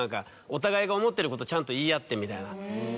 お互いが思ってることちゃんと言い合ってみたいな。